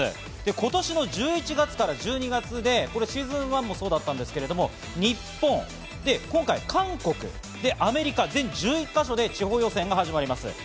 今年の１１月から１２月でシーズン１もそうだったんですが、日本と今回、韓国、アメリカ、全１１か所で地方予選が始まります。